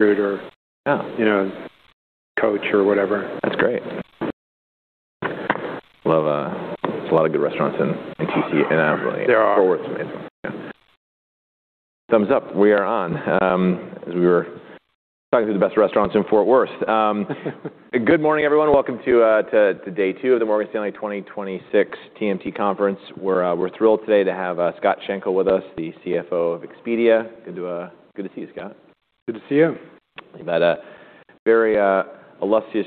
Or- Yeah you know, coach or whatever. That's great. Well, there's a lot of good restaurants in TC. There are... Fort Worth's amazing. Yeah. Thumbs up. We are on. As we were talking through the best restaurants in Fort Worth. Good morning, everyone. Welcome to day two of the Morgan Stanley 2024 TMT conference. We're thrilled today to have Scott Schenkel with us, the CFO of Expedia. Good to see you, Scott. Good to see you. You've had a very illustrious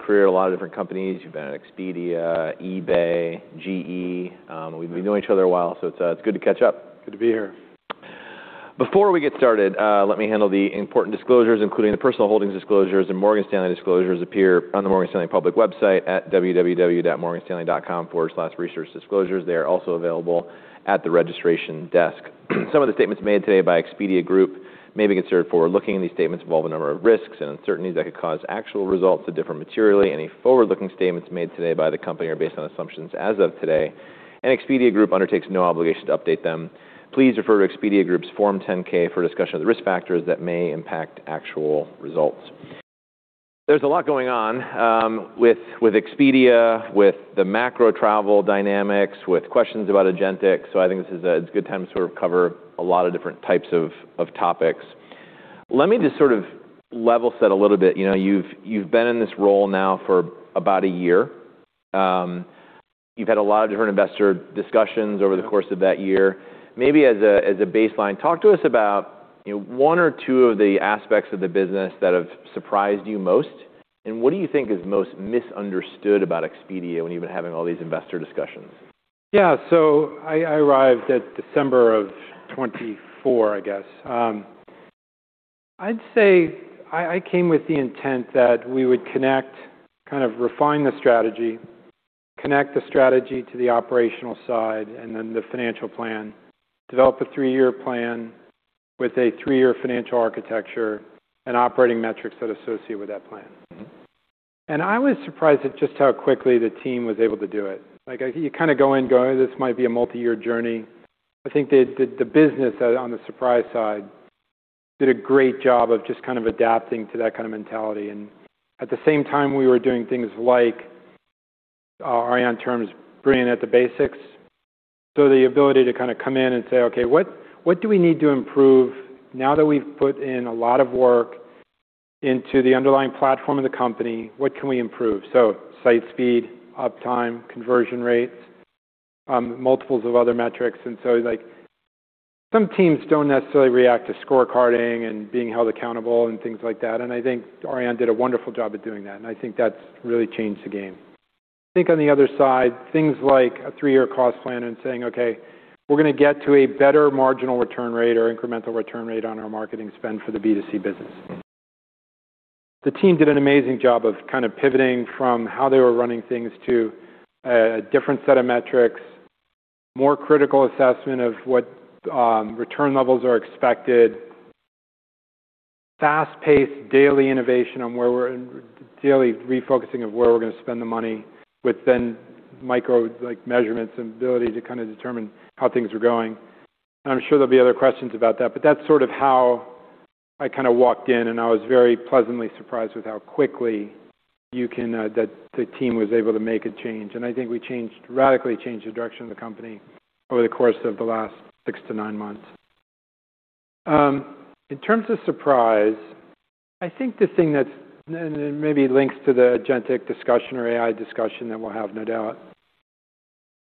career at a lot of different companies. You've been at Expedia, eBay, GE. We've been knowing each other a while, so it's good to catch up. Good to be here. Before we get started, let me handle the important disclosures, including the personal holdings disclosures and Morgan Stanley disclosures appear on the Morgan Stanley public website at www.morganstanley.com/researchdisclosures. They are also available at the registration desk. Some of the statements made today by Expedia Group may be considered forward-looking. These statements involve a number of risks and uncertainties that could cause actual results to differ materially. Any forward-looking statements made today by the company are based on assumptions as of today. Expedia Group undertakes no obligation to update them. Please refer to Expedia Group's Form 10-K for a discussion of the risk factors that may impact actual results. There's a lot going on, with Expedia, with the macro travel dynamics, with questions about agentic. I think this is a good time to sort of cover a lot of different types of topics. Let me just sort of level set a little bit. You know, you've been in this role now for about a year. You've had a lot of different investor discussions over the course of that year. Maybe as a baseline, talk to us about, you know, one or two of the aspects of the business that have surprised you most, and what do you think is most misunderstood about Expedia when you've been having all these investor discussions? Yeah. I arrived at December of 2024, I guess. I'd say I came with the intent that we would connect, kind of refine the strategy, connect the strategy to the operational side, the financial plan. Develop a 3-year plan with a 3-year financial architecture and operating metrics that associate with that plan. Mm-hmm. I was surprised at just how quickly the team was able to do it. Like, you kind of go in going, "This might be a multi-year journey." I think the business on the surprise side did a great job of just kind of adapting to that kind of mentality. At the same time, we were doing things like Ariane terms bringing at the basics. The ability to kind of come in and say, "Okay, what do we need to improve now that we've put in a lot of work into the underlying platform of the company? What can we improve?" Site speed, uptime, conversion rates, multiples of other metrics. Like, some teams don't necessarily react to scorecarding and being held accountable and things like that. I think Ariane did a wonderful job of doing that, and I think that's really changed the game. On the other side, things like a three-year cost plan and saying, "Okay, we're gonna get to a better marginal return rate or incremental return rate on our marketing spend for the B2C business." The team did an amazing job of kind of pivoting from how they were running things to a different set of metrics, more critical assessment of what, return levels are expected, fast-paced daily innovation on Daily refocusing of where we're gonna spend the money with then micro, like, measurements and ability to kind of determine how things are going. I'm sure there'll be other questions about that, but that's sort of how I kind of walked in, and I was very pleasantly surprised with how quickly you can that the team was able to make a change. I think we radically changed the direction of the company over the course of the last 6-9 months. In terms of surprise, I think the thing that's maybe links to the agentic discussion or AI discussion that we'll have, no doubt.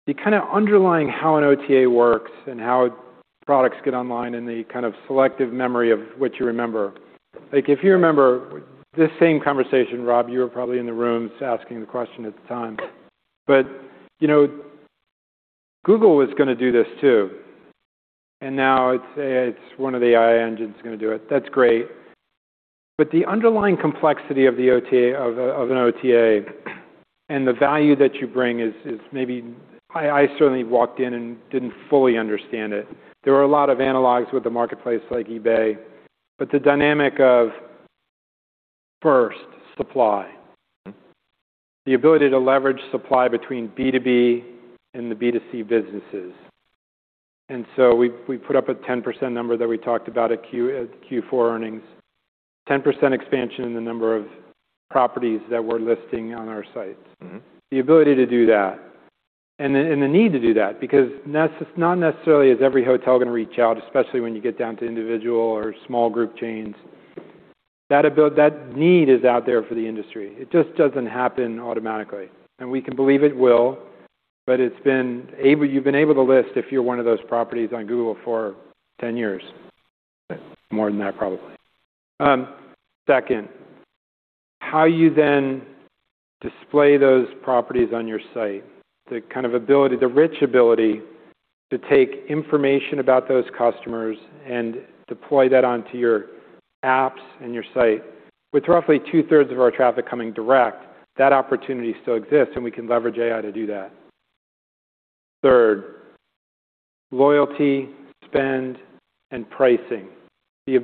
The kind of underlying how an OTA works and how products get online and the kind of selective memory of what you remember. Like, if you remember this same conversation, Rob, you were probably in the room asking the question at the time. You know, Google was gonna do this too, and now it's one of the AI engines gonna do it. That's great. The underlying complexity of the OTA, of an OTA and the value that you bring is maybe, I certainly walked in and didn't fully understand it. There were a lot of analogs with the marketplace like eBay, but the dynamic of first, supply. Mm-hmm. The ability to leverage supply between B2B and the B2C businesses. We put up a 10% number that we talked about at Q4 earnings. 10% expansion in the number of properties that we're listing on our sites. Mm-hmm. The ability to do that and the need to do that, because not necessarily is every hotel going to reach out, especially when you get down to individual or small group chains. That need is out there for the industry. It just doesn't happen automatically. We can believe it will, but you've been able to list if you're one of those properties on Google for 10 years. More than that, probably. Second, how you then display those properties on your site. The kind of ability, the rich ability to take information about those customers and deploy that onto your apps and your site. With roughly two-thirds of our traffic coming direct, that opportunity still exists, and we can leverage AI to do that. Third, loyalty, spend, and pricing. The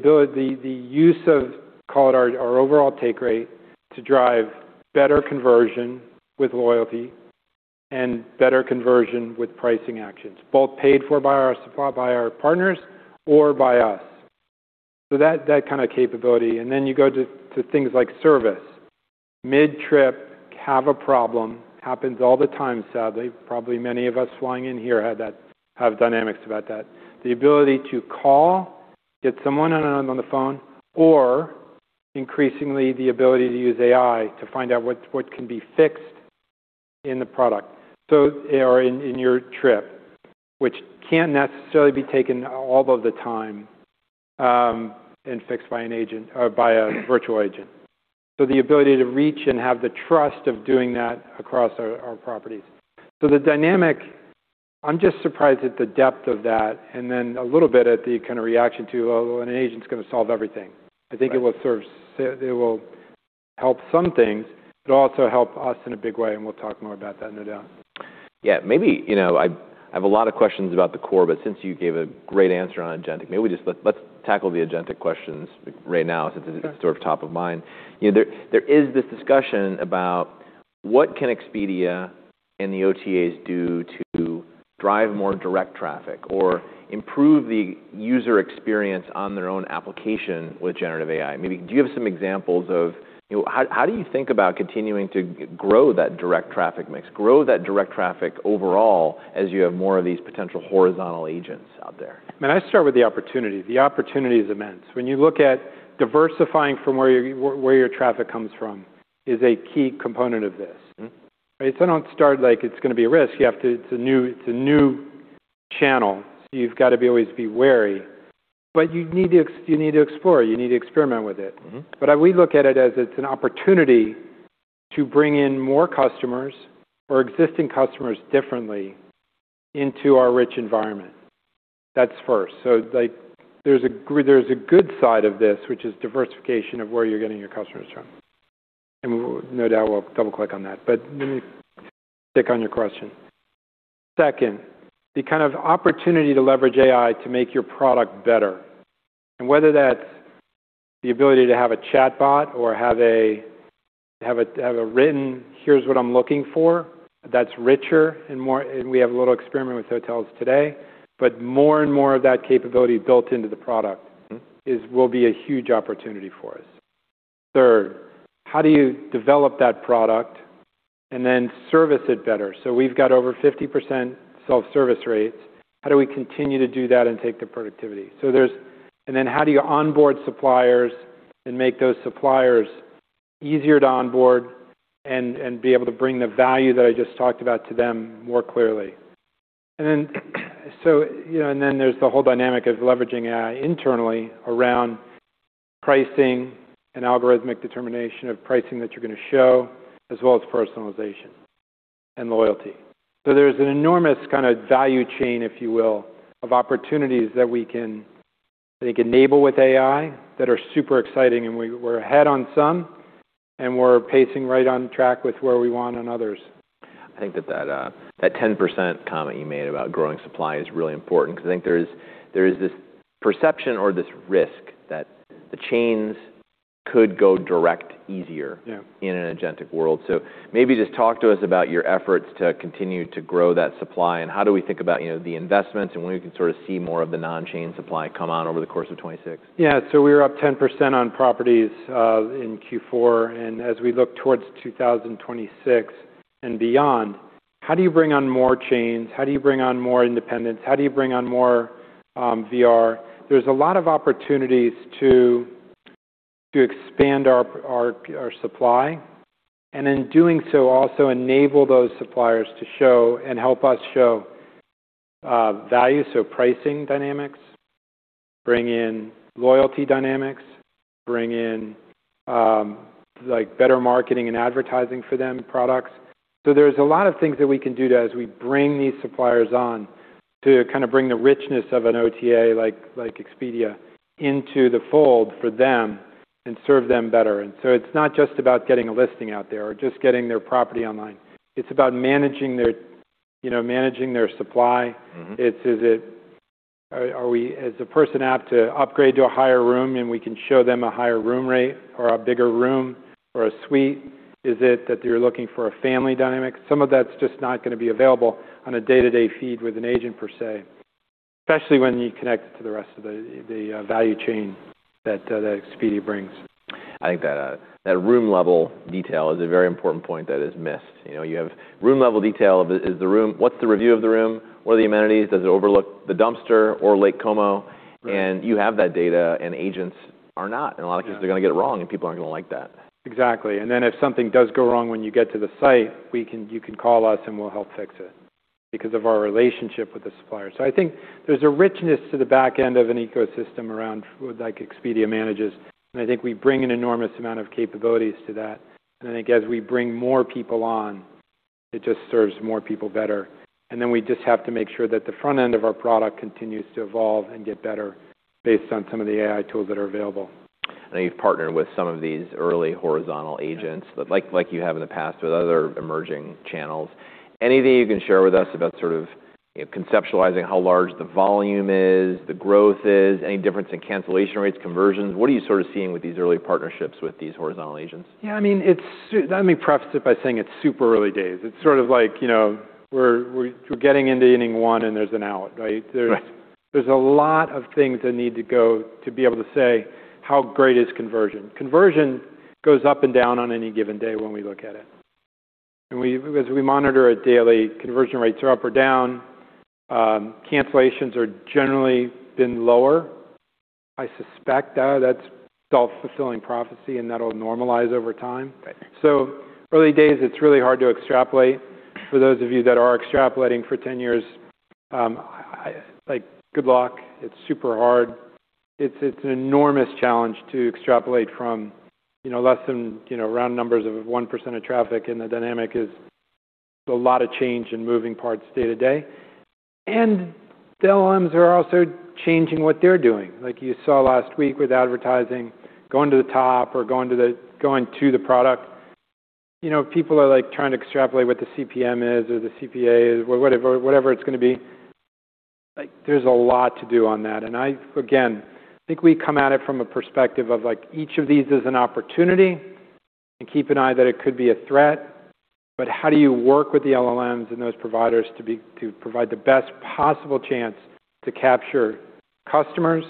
use of, call it our overall take rate, to drive better conversion with loyalty, and better conversion with pricing actions, both paid for by our partners or by us. That, that kind of capability. Then you go to things like service. Mid-trip, have a problem, happens all the time, sadly. Probably many of us flying in here had dynamics about that. The ability to call, get someone on the phone, or increasingly the ability to use AI to find out what can be fixed in the product. Or in your trip, which can't necessarily be taken all of the time, and fixed by an agent or by a virtual agent. The ability to reach and have the trust of doing that across our properties. The dynamic, I'm just surprised at the depth of that and then a little bit at the kind of reaction to, "Oh, well, an agent's gonna solve everything. Right. I think it will sort of it will help some things. It'll also help us in a big way, and we'll talk more about that, no doubt. Yeah. Maybe, you know, I have a lot of questions about the core. Since you gave a great answer on agentic, maybe let's tackle the agentic questions right now since it is sort of top of mind. You know, there is this discussion about what can Expedia and the OTAs do to drive more direct traffic or improve the user experience on their own application with generative AI? Maybe do you have some examples of, you know, how do you think about continuing to grow that direct traffic mix, grow that direct traffic overall as you have more of these potential horizontal agents out there? I mean, I start with the opportunity. The opportunity is immense. When you look at diversifying from where your traffic comes from is a key component of this. Mm-hmm. Right? Don't start like it's gonna be a risk. You have to. It's a new channel, so you've got to be always be wary. You need to explore, you need to experiment with it. Mm-hmm. We look at it as it's an opportunity to bring in more customers or existing customers differently into our rich environment. That's first. Like, there's a good side of this, which is diversification of where you're getting your customers from. We'll no doubt we'll double-click on that. Let me stick on your question. Second, the kind of opportunity to leverage AI to make your product better, and whether that's the ability to have a chatbot or have a written, "Here's what I'm looking for," that's richer and more and we have a little experiment with hotels today. More and more of that capability built into the product. Mm-hmm... will be a huge opportunity for us. Third, how do you develop that product and then service it better? We've got over 50% self-service rates. How do we continue to do that and take the productivity? There's how do you onboard suppliers and make those suppliers easier to onboard and be able to bring the value that I just talked about to them more clearly? you know, and then there's the whole dynamic of leveraging AI internally around pricing and algorithmic determination of pricing that you're gonna show, as well as personalization and loyalty. There's an enormous kind of value chain, if you will, of opportunities that we can, I think, enable with AI that are super exciting, and we're ahead on some, and we're pacing right on track with where we want on others. I think that 10% comment you made about growing supply is really important because I think there is this perception or this risk that the chains could go direct easier. Yeah... in an agentic world. Maybe just talk to us about your efforts to continue to grow that supply and how do we think about, you know, the investments and when we can sort of see more of the non-chain supply come on over the course of 2026? Yeah. We're up 10% on properties in Q4. As we look towards 2026 and beyond, how do you bring on more chains? How do you bring on more independents? How do you bring on more VR? There's a lot of opportunities to expand our supply, and in doing so, also enable those suppliers to show and help us show value, so pricing dynamics, bring in loyalty dynamics, bring in better marketing and advertising for them, products. There's a lot of things that we can do to as we bring these suppliers on to kind of bring the richness of an OTA like Expedia into the fold for them and serve them better. It's not just about getting a listing out there or just getting their property online. It's about managing their, you know, managing their supply. Mm-hmm. Is a person apt to upgrade to a higher room, and we can show them a higher room rate or a bigger room or a suite? Is it that they're looking for a family dynamic? Some of that's just not gonna be available on a day-to-day feed with an agent per se, especially when you connect it to the rest of the value chain that Expedia brings. I think that room level detail is a very important point that is missed. You know, you have room level detail of what's the review of the room? What are the amenities? Does it overlook the dumpster or Lake Como? Right. You have that data, and agents are not. Yeah. A lot of cases, they're gonna get it wrong, and people aren't gonna like that. Exactly. If something does go wrong when you get to the site, you can call us, and we'll help fix it because of our relationship with the supplier. I think there's a richness to the back end of an ecosystem around like Expedia manages, I think we bring an enormous amount of capabilities to that. I think as we bring more people on, it just serves more people better. We just have to make sure that the front end of our product continues to evolve and get better based on some of the AI tools that are available. I know you've partnered with some of these early horizontal agents. Yeah.... like you have in the past with other emerging channels. Anything you can share with us about Conceptualizing how large the volume is, the growth is, any difference in cancellation rates, conversions. What are you sort of seeing with these early partnerships with these horizontal agents? Yeah, I mean, let me preface it by saying it's super early days. It's sort of like, you know, we're getting into inning one, and there's an out, right? Right. There's a lot of things that need to go to be able to say, how great is conversion? Conversion goes up and down on any given day when we look at it. Because we monitor it daily, conversion rates are up or down. Cancellations are generally been lower. I suspect that's self-fulfilling prophecy, and that'll normalize over time. Right. Early days, it's really hard to extrapolate. For those of you that are extrapolating for 10 years, like, good luck. It's super hard. It's an enormous challenge to extrapolate from, you know, less than, you know, round numbers of 1% of traffic, and the dynamic is a lot of change in moving parts day to day. The LLMs are also changing what they're doing. Like you saw last week with advertising going to the top or going to the product. You know, people are, like, trying to extrapolate what the CPM is or the CPA is or whatever it's gonna be. Like, there's a lot to do on that. I, again, think we come at it from a perspective of, like, each of these is an opportunity, and keep an eye that it could be a threat. How do you work with the LLMs and those providers to provide the best possible chance to capture customers,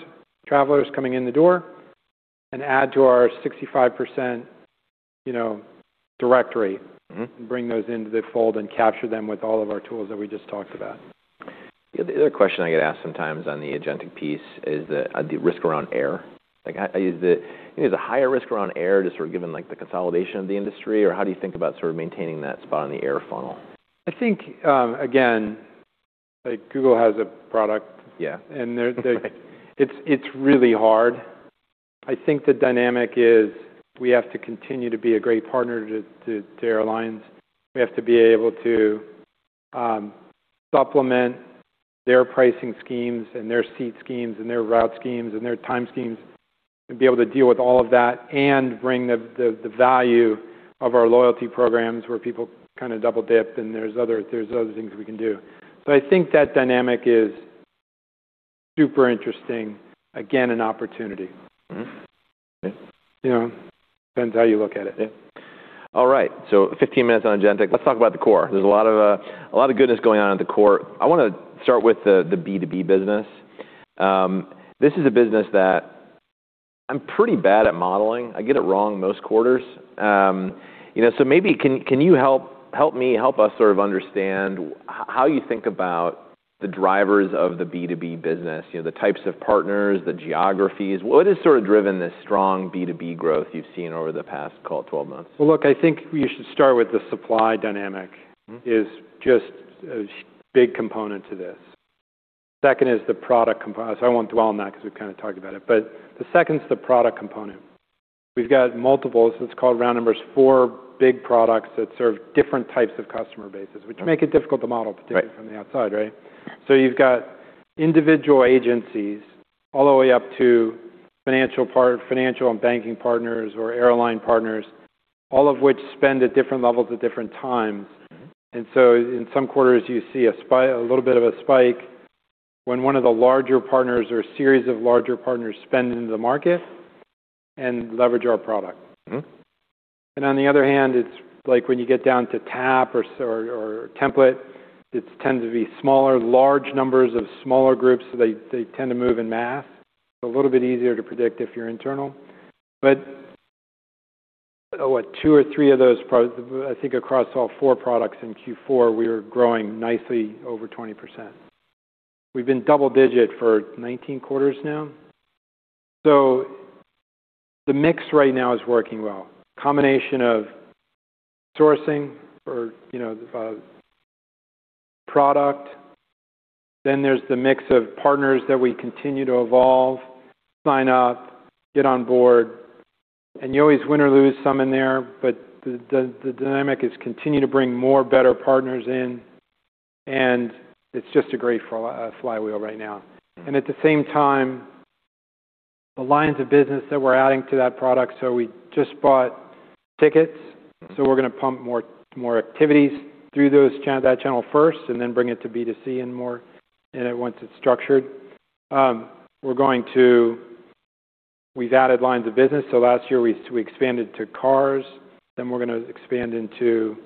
travelers coming in the door, and add to our 65%, you know, directory. Mm-hmm. Bring those into the fold and capture them with all of our tools that we just talked about. The other question I get asked sometimes on the agentic piece is the risk around air. Like, is it, you know, the higher risk around air just sort of given, like, the consolidation of the industry, or how do you think about sort of maintaining that spot in the air funnel? I think, again, like, Google has a product. Yeah. It's really hard. I think the dynamic is we have to continue to be a great partner to airlines. We have to be able to supplement their pricing schemes and their seat schemes and their route schemes and their time schemes, and be able to deal with all of that and bring the value of our loyalty programs where people kind of double-dip, and there's other things we can do. I think that dynamic is super interesting. Again, an opportunity. Mm-hmm. Okay. You know, depends how you look at it. Yeah. All right. 15 minutes on agentic. Let's talk about the core. There's a lot of goodness going on in the core. I wanna start with the B2B business. This is a business that I'm pretty bad at modeling. I get it wrong most quarters. You know, maybe can you help me, help us sort of understand how you think about the drivers of the B2B business, you know, the types of partners, the geographies. What has sort of driven this strong B2B growth you've seen over the past, call it 12 months? Well, look, I think you should start with the supply dynamic. Mm-hmm. Is just a big component to this. Second is the product. I won't dwell on that because we've kind of talked about it. The second is the product component. We've got multiples. It's called round numbers, four big products that serve different types of customer bases, which make it difficult to model, particularly from the outside, right? Right. You've got individual agencies all the way up to financial and banking partners or airline partners, all of which spend at different levels at different times. Mm-hmm. In some quarters, you see a little bit of a spike when one of the larger partners or series of larger partners spend in the market and leverage our product. Mm-hmm. On the other hand, it's like when you get down to TAAP or template, it tends to be smaller, large numbers of smaller groups. They tend to move in mass. A little bit easier to predict if you're internal. What, two or three of those I think across all four products in Q4, we are growing nicely over 20%. We've been double digit for 19 quarters now. The mix right now is working well. Combination of sourcing or, you know, the product. There's the mix of partners that we continue to evolve, sign up, get on board, and you always win or lose some in there. The dynamic is continue to bring more, better partners in, and it's just a great flywheel right now. Mm-hmm. At the same time, the lines of business that we're adding to that product. We just bought tickets. Mm-hmm. We're gonna pump more activities through those that channel first and then bring it to B2C and more. Once it's structured, We've added lines of business. Last year we expanded to cars. We've already expanded into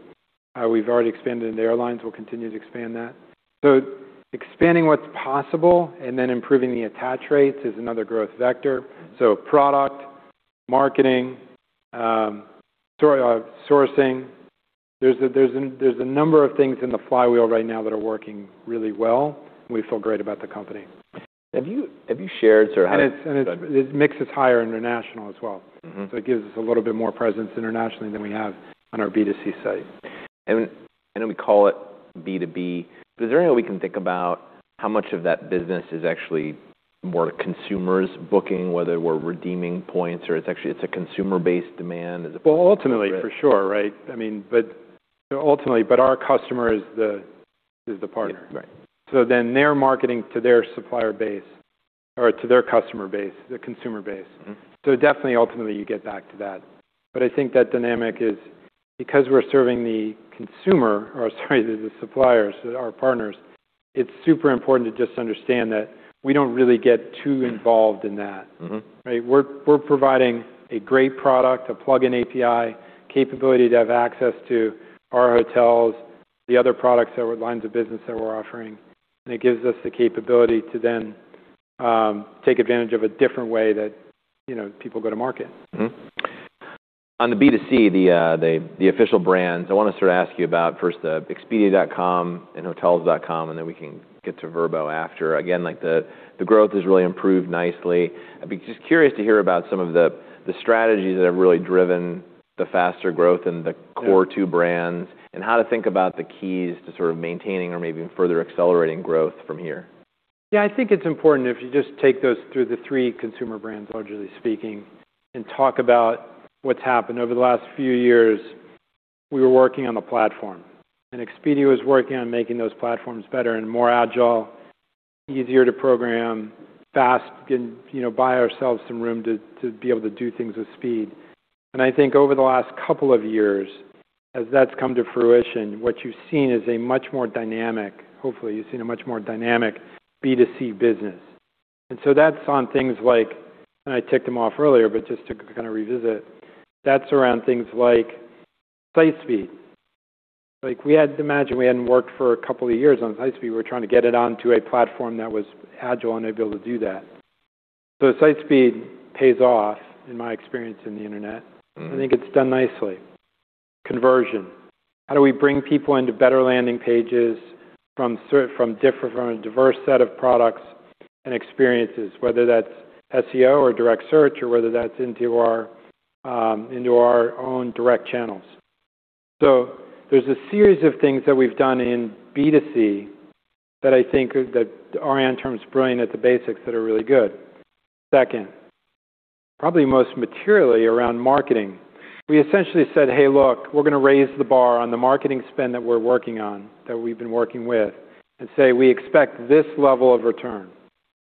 airlines. We'll continue to expand that. Expanding what's possible and then improving the attach rates is another growth vector. Mm-hmm. Product, marketing, sourcing. There's a number of things in the flywheel right now that are working really well, and we feel great about the company. Have you shared sort of? The mix is higher international as well. Mm-hmm. It gives us a little bit more presence internationally than we have on our B2C site. I know we call it B2B, but is there any way we can think about how much of that business is actually more consumers Booking.com, whether we're redeeming points or actually it's a consumer-based demand as opposed to. Ultimately, for sure, right? I mean, ultimately, our customer is the partner. Yeah. Right. They're marketing to their supplier base. To their customer base, their consumer base. Mm-hmm. Definitely ultimately you get back to that. I think that dynamic is because we're serving the consumer or sorry, the suppliers, our partners, it's super important to just understand that we don't really get too involved in that. Mm-hmm. Right? We're providing a great product, a plug-in API capability to have access to our hotels, the other products or lines of business that we're offering. It gives us the capability to then take advantage of a different way that, you know, people go to market. On the B2C, the official brands, I wanna sort of ask you about first the Expedia.com and Hotels.com, and then we can get to Vrbo after. Like, the growth has really improved nicely. I'd be just curious to hear about some of the strategies that have really driven the faster growth. Yeah... core two brands and how to think about the keys to sort of maintaining or maybe even further accelerating growth from here. Yeah, I think it's important if you just take those through the three consumer brands, largely speaking, and talk about what's happened over the last few years, we were working on the platform, and Expedia was working on making those platforms better and more agile, easier to program, fast, get, you know, buy ourselves some room to be able to do things with speed. I think over the last two years, as that's come to fruition, what you've seen is hopefully you've seen a much more dynamic B2C business. That's on things like, and I ticked them off earlier, but just to kind of revisit, that's around things like site speed. Like we had to imagine we hadn't worked for two years on site speed. We were trying to get it onto a platform that was agile and able to do that. Site speed pays off in my experience in the internet. Mm. I think it's done nicely. Conversion. How do we bring people into better landing pages from from different, from a diverse set of products and experiences, whether that's SEO or direct search or whether that's into our into our own direct channels? There's a series of things that we've done in B2C that I think are, that are in terms of brilliant at the basics that are really good. Second, probably most materially around marketing, we essentially said, "Hey, look, we're gonna raise the bar on the marketing spend that we're working on, that we've been working with, and say we expect this level of return,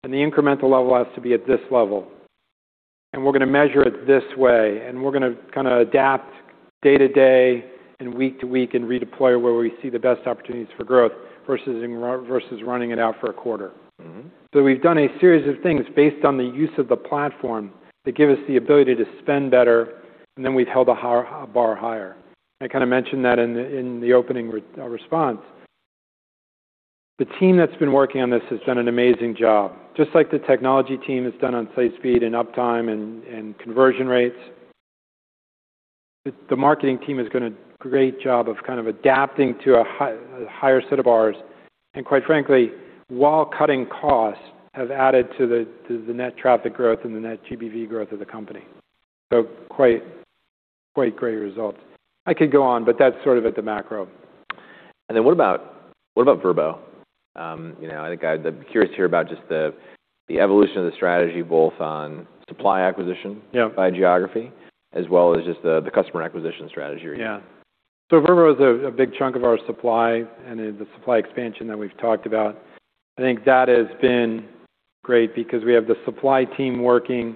and the incremental level has to be at this level, and we're gonna measure it this way, and we're gonna kinda adapt day to day and week to week and redeploy where we see the best opportunities for growth versus running it out for a quarter. Mm-hmm. We've done a series of things based on the use of the platform that give us the ability to spend better, and then we've held a bar higher. I kinda mentioned that in the opening response. The team that's been working on this has done an amazing job. Just like the technology team has done on site speed and uptime and conversion rates, the marketing team has done a great job of kind of adapting to a higher set of bars, and quite frankly, while cutting costs, have added to the net traffic growth and the net GBV growth of the company. Quite great results. I could go on, but that's sort of at the macro. What about Vrbo? You know, I think I'd be curious to hear about just the evolution of the strategy both on supply acquisition. Yeah... by geography as well as just the customer acquisition strategy. Yeah. Vrbo is a big chunk of our supply and then the supply expansion that we've talked about. I think that has been great because we have the supply team working,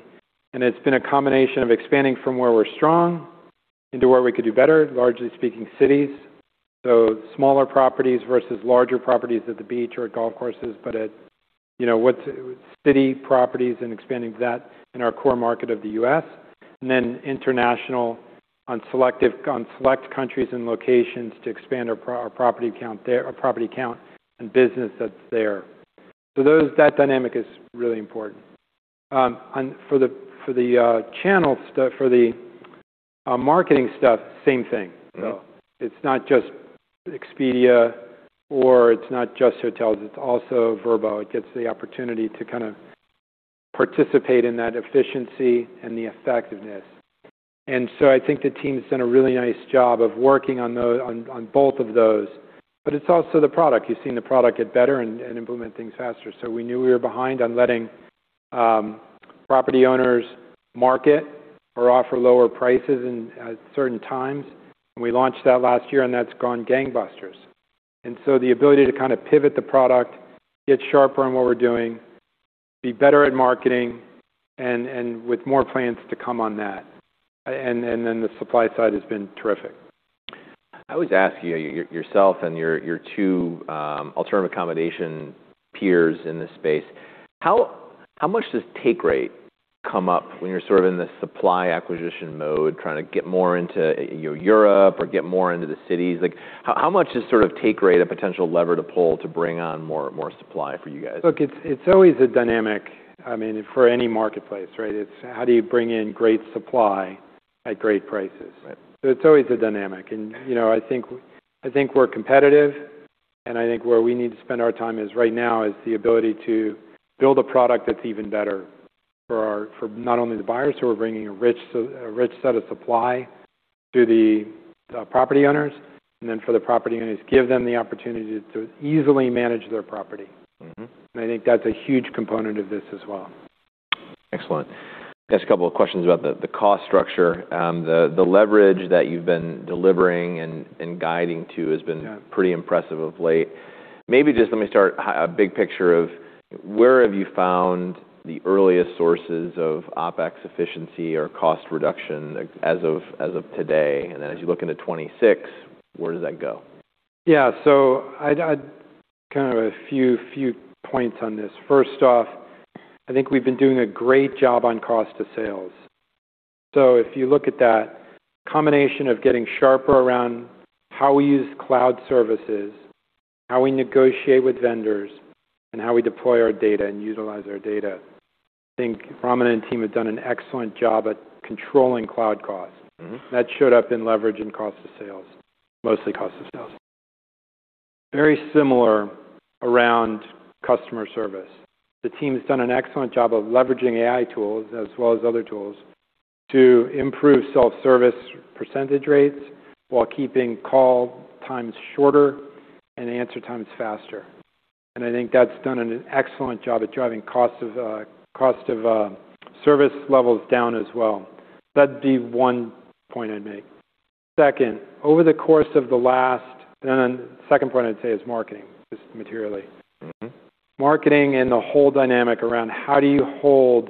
and it's been a combination of expanding from where we're strong into where we could do better, largely speaking cities, so smaller properties versus larger properties at the beach or at golf courses, but at, you know, what's city properties and expanding that in our core market of the US, then international on select countries and locations to expand our property count there, our property count and business that's there. Those, that dynamic is really important. For the channel stuff, for the marketing stuff, same thing. Yeah. It's not just Expedia or it's not just hotels, it's also Vrbo. It gets the opportunity to kinda participate in that efficiency and the effectiveness. I think the team has done a really nice job of working on both of those. It's also the product. You've seen the product get better and implement things faster. We knew we were behind on letting property owners market or offer lower prices in, at certain times, and we launched that last year and that's gone gangbusters. The ability to kind of pivot the product, get sharper on what we're doing, be better at marketing and with more plans to come on that. The supply side has been terrific. I always ask you, yourself and your two alternative accommodation peers in this space, how much does take rate come up when you're sort of in the supply acquisition mode, trying to get more into, you know, Europe or get more into the cities? Like how much is sort of take rate a potential lever to pull to bring on more supply for you guys? Look, it's always a dynamic, I mean, for any marketplace, right? It's how do you bring in great supply at great prices. Right. It's always a dynamic. You know, I think we're competitive and I think where we need to spend our time is right now is the ability to build a product that's even better for our, for not only the buyers who are bringing a rich set of supply to the property owners, and then for the property owners, give them the opportunity to easily manage their property. Mm-hmm. I think that's a huge component of this as well. Excellent. Just a couple of questions about the cost structure. The leverage that you've been delivering and guiding to has been. Yeah pretty impressive of late. Maybe just let me start a big picture of where have you found the earliest sources of OpEx efficiency or cost reduction as of today? Then as you look into 2026, where does that go? Yeah. I'd kind of a few points on this. First off, I think we've been doing a great job on cost of sales. If you look at that combination of getting sharper around how we use cloud services, how we negotiate with vendors, and how we deploy our data and utilize our data, I think Raman and team have done an excellent job at controlling cloud costs. Mm-hmm. That showed up in leverage and cost of sales, mostly cost of sales. Very similar around customer service. The team's done an excellent job of leveraging AI tools as well as other tools to improve self-service percentage rates while keeping call times shorter and answer times faster. I think that's done an excellent job at driving cost of service levels down as well. That'd be one point I'd make. Second point I'd say is marketing, just materially. Mm-hmm. Marketing the whole dynamic around how do you hold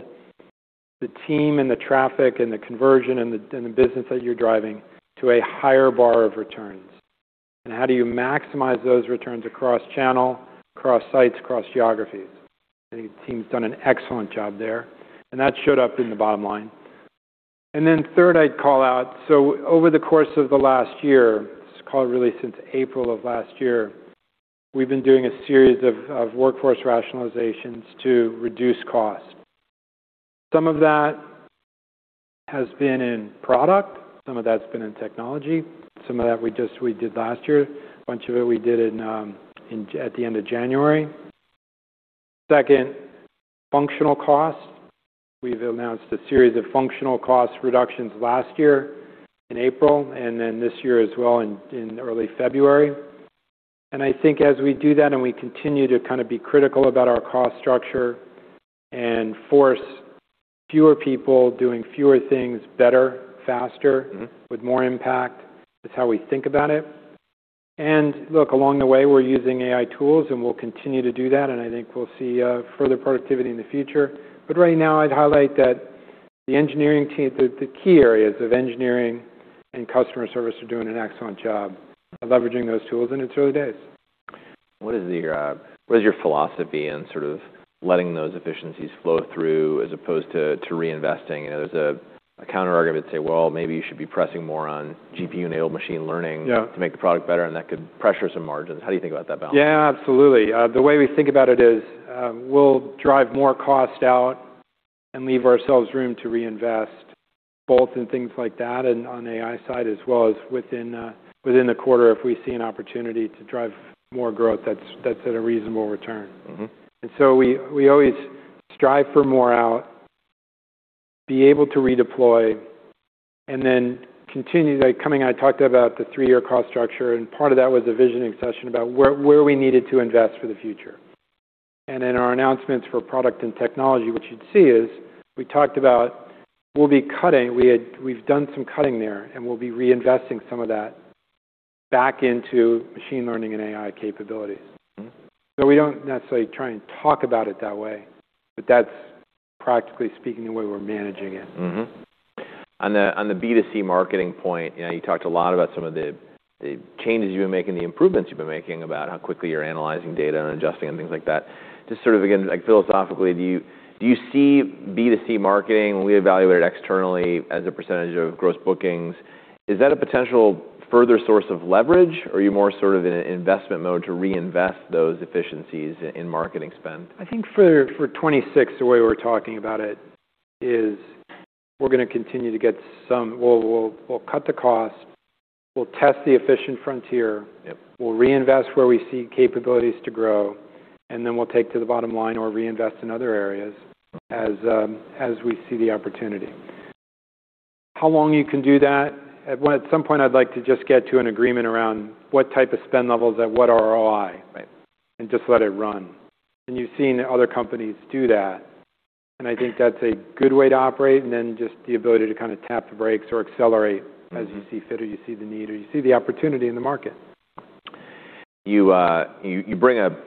the team and the traffic and the conversion and the business that you're driving to a higher bar of returns, and how do you maximize those returns across channel, across sites, across geographies? I think the team's done an excellent job there, and that showed up in the bottom line. Third, I'd call out, so over the course of the last year, let's call it really since April of last year, we've been doing a series of workforce rationalizations to reduce costs. Some of that has been in product, some of that's been in technology, some of that we did last year, a bunch of it we did at the end of January. Second, functional costs. We've announced a series of functional cost reductions last year in April and then this year as well in early February. I think as we do that and we continue to kinda be critical about our cost structure and force fewer people doing fewer things better, faster. Mm-hmm... with more impact, that's how we think about it. Look, along the way, we're using AI tools, and we'll continue to do that, and I think we'll see further productivity in the future. Right now, I'd highlight that the engineering team, the key areas of engineering and customer service are doing an excellent job of leveraging those tools in its early days. What is your philosophy in sort of letting those efficiencies flow through as opposed to reinvesting? You know, there's a counterargument to say, "Well, maybe you should be pressing more on GPU-enabled machine learning- Yeah... to make the product better, and that could pressure some margins." How do you think about that balance? Yeah, absolutely. The way we think about it is, we'll drive more cost out and leave ourselves room to reinvest, both in things like that and on AI side as well as within the quarter if we see an opportunity to drive more growth that's at a reasonable return. Mm-hmm. We always strive for more out, be able to redeploy, continue. Like, I talked about the three-year cost structure, and part of that was a visioning session about where we needed to invest for the future. In our announcements for product and technology, what you'd see is we talked about we'll be cutting. We've done some cutting there, and we'll be reinvesting some of that back into machine learning and AI capabilities. Mm-hmm. We don't necessarily try and talk about it that way, but that's practically speaking the way we're managing it. On the B2C marketing point, you know, you talked a lot about some of the changes you've been making, the improvements you've been making about how quickly you're analyzing data and adjusting and things like that. Just sort of again, like philosophically, do you see B2C marketing, when we evaluate it externally as a % of gross bookings, is that a potential further source of leverage, or are you more sort of in an investment mode to reinvest those efficiencies in marketing spend? I think for 2026, the way we're talking about it is we're gonna continue to get some. We'll cut the cost, we'll test the efficient frontier. Yep we'll reinvest where we see capabilities to grow, and then we'll take to the bottom line or reinvest in other areas as we see the opportunity. How long you can do that? Well, at some point, I'd like to just get to an agreement around what type of spend levels at what ROI- Right... and just let it run. You've seen other companies do that, and I think that's a good way to operate, and then just the ability to kinda TAAP the brakes or accelerate... Mm-hmm... as you see fit or you see the need or you see the opportunity in the market. You bring a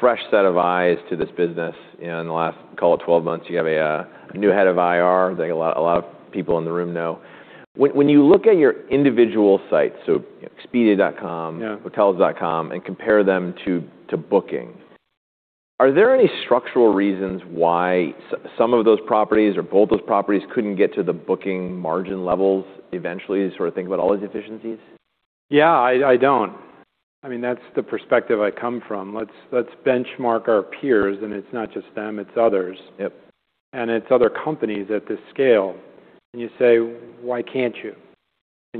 fresh set of eyes to this business, you know, in the last, call it 12 months. You have a new head of IR, like a lot of people in the room know. When you look at your individual sites, so Expedia.com. Yeah... Hotels.com, and compare them to Booking.com, are there any structural reasons why some of those properties or both those properties couldn't get to the Booking.com margin levels eventually to sort of think about all these efficiencies? Yeah, I don't. I mean, that's the perspective I come from. Let's benchmark our peers, and it's not just them, it's others. Yep. It's other companies at this scale. You say, "Why can't you?"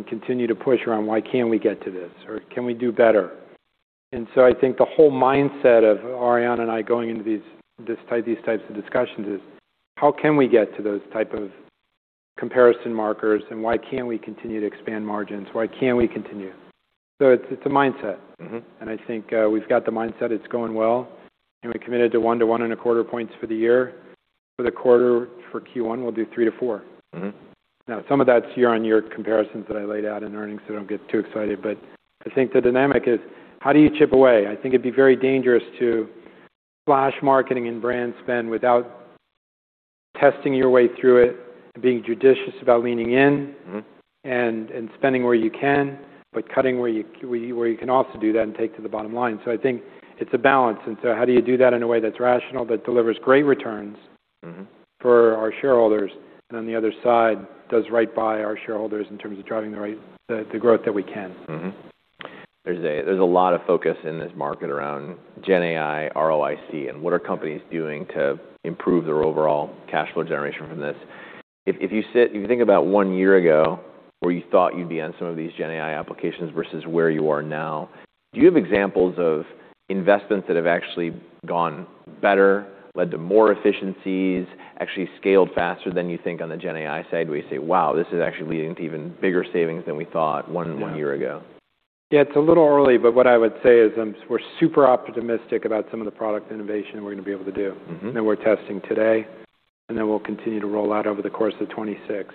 Continue to push around why can't we get to this or can we do better? I think the whole mindset of Ariane and I going into these types of discussions is how can we get to those type of comparison markers and why can't we continue to expand margins? Why can't we continue? It's a mindset. Mm-hmm. I think, we've got the mindset. It's going well. We committed to 1-1.25 points for the year. For the quarter for Q1, we'll do 3 to 4. Mm-hmm. Some of that's year-on-year comparisons that I laid out in earnings, so don't get too excited. I think the dynamic is: how do you chip away? I think it'd be very dangerous to splash marketing and brand spend without testing your way through it and being judicious about leaning in. Mm-hmm spending where you can, but cutting where you can also do that and take to the bottom line. I think it's a balance, how do you do that in a way that's rational, but delivers great returns. Mm-hmm... for our shareholders, and on the other side, does right by our shareholders in terms of driving the right, the growth that we can. There's a lot of focus in this market around GenAI, ROIC, and what are companies doing to improve their overall cash flow generation from this. If you think about one year ago where you thought you'd be on some of these GenAI applications versus where you are now, do you have examples of investments that have actually gone better, led to more efficiencies, actually scaled faster than you think on the GenAI side, where you say, "Wow, this is actually leading to even bigger savings than we thought one year ago? Yeah. It's a little early, but what I would say is, we're super optimistic about some of the product innovation we're gonna be able to do. Mm-hmm... that we're testing today, and then we'll continue to roll out over the course of 26.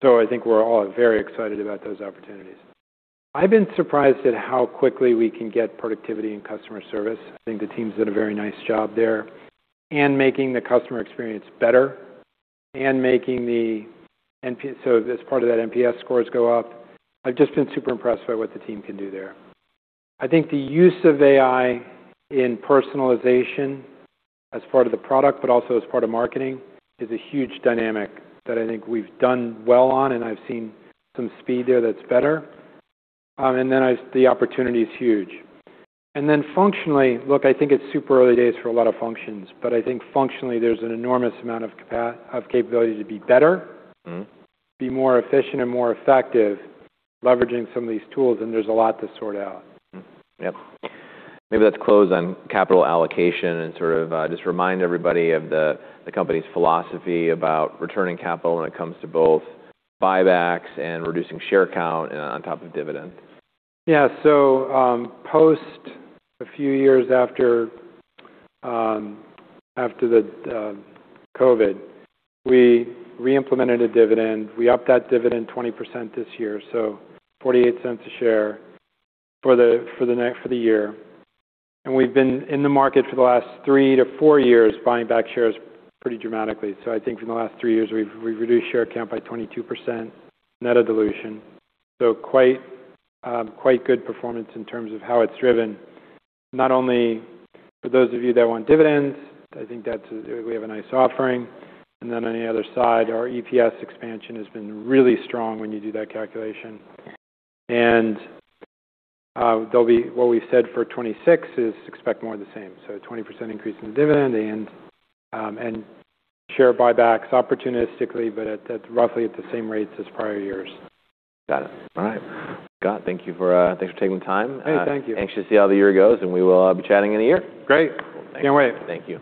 I think we're all very excited about those opportunities. I've been surprised at how quickly we can get productivity in customer service, I think the teams did a very nice job there, and making the customer experience better. As part of that, NPS scores go up. I've just been super impressed by what the team can do there. I think the use of AI in personalization as part of the product but also as part of marketing is a huge dynamic that I think we've done well on, and I've seen some speed there that's better. The opportunity is huge. Functionally, look, I think it's super early days for a lot of functions, but I think functionally there's an enormous amount of capability to be better. Mm-hmm... be more efficient and more effective leveraging some of these tools, and there's a lot to sort out. Yep. Maybe let's close on capital allocation and sort of just remind everybody of the company's philosophy about returning capital when it comes to both buybacks and reducing share count on top of dividend. Post a few years after COVID, we re-implemented a dividend. We upped that dividend 20% this year, $0.48 a share for the year. We've been in the market for the last 3 years to 4 years buying back shares pretty dramatically. I think in the last 3 years, we've reduced share count by 22% net of dilution. Quite good performance in terms of how it's driven, not only for those of you that want dividends, I think we have a nice offering. On the other side, our EPS expansion has been really strong when you do that calculation. What we've said for 2026 is expect more of the same. A 20% increase in the dividend and share buybacks opportunistically, but at roughly at the same rates as prior years. Got it. All right. Scott, thank you for, thanks for taking the time. Hey, thank you. Anxious to see how the year goes, and we will be chatting in a year. Great. Can't wait. Thank you.